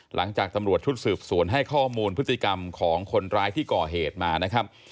หลังจากตำรวจชุดสืบสวนให้ข้อมูลพฤติกรรมของคนร้ายที่ก่อเหตุมานะครับ